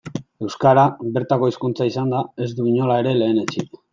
Euskara, bertako hizkuntza izanda, ez du inola ere lehenetsi.